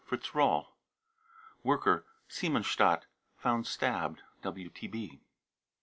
fritz rolle, worker, Siemensstadt, found stabbed. {WTB.)